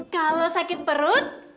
kalau sakit perut